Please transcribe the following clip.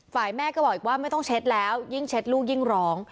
แม่ก็บอกอีกว่าไม่ต้องเช็ดแล้วยิ่งเช็ดลูกยิ่งร้อง